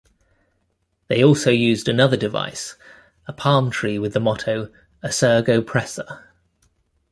They also used another device, a palm tree with the motto, "Assurgo pressa".